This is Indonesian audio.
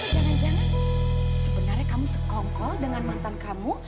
jangan jangan sebenarnya kamu sekongkol dengan mantan kamu